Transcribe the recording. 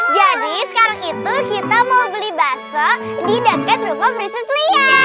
jadi sekarang itu kita mau beli bakso di dekat rumah prinses lia